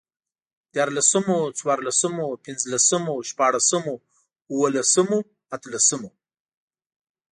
ديارلسمو، څوارلسمو، پنځلسمو، شپاړسمو، اوولسمو، اتلسمو